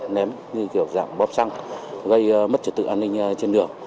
ném như kiểu dạng bóp xăng gây mất trật tự an ninh trên đường